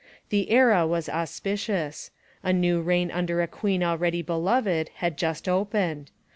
The era was auspicious. A new reign under a queen already beloved had just opened.